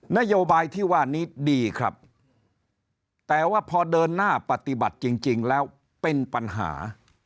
นโยบายที่ว่านี้ดีครับแต่ว่าพอเดินหน้าปฏิบัติจริงแล้วเป็นปัญหา